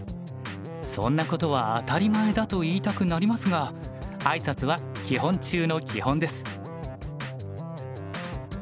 そんなことは当たり前だと言いたくなりますがあいさつは基本中の基本です。